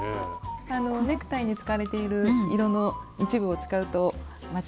ネクタイに使われている色の一部を使うと間違いなく。